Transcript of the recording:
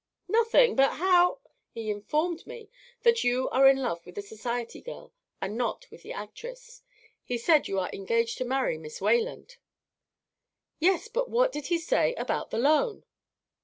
"Nothing! Then how ?", "He informed me that you are in love with the society girl and not with the actress. He said you are engaged to marry Miss Wayland." "Yes. But what did he say about the loan?"